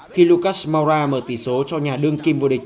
khi lucas moura mở tỷ số cho nhà đương kim vô địch